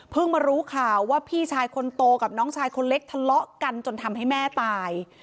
มารู้ข่าวว่าพี่ชายคนโตกับน้องชายคนเล็กทะเลาะกันจนทำให้แม่ตาย